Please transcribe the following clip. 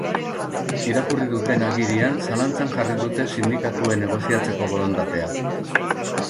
Irakurri duten agirian zalantzan jarri dute sindikatuen negoziatzeko borondatea.